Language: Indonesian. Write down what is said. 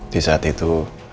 di saat itu